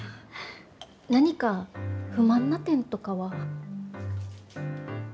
何か不満な点とかは。